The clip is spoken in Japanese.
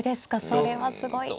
それはすごい。